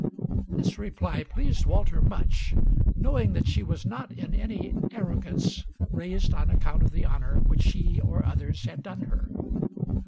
This reply pleased Walter much, knowing that she was not in any arrogance raised on account of the honor which he or others had done her.